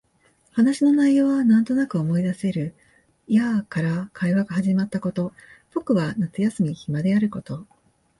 話の内容はなんとなく思い出せる。やあ、から会話が始まったこと、僕は夏休み暇であること、